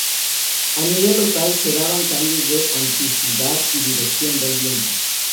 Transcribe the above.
A nivel local, se daban cambios de intensidad y dirección del viento.